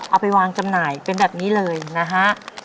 เอาไปวางจำหน่ายเป็นแบบนี้เลยนะฮะ